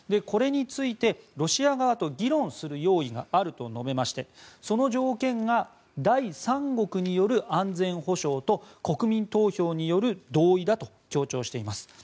これについて、ロシア側と議論する用意があると述べましてその条件が第三国による安全保障と国民投票による同意だと強調しています。